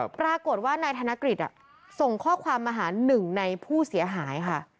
ปรากฏว่านายธนกฤษส่งข้อความมาหาหนึ่งในผู้เสียหายค่ะ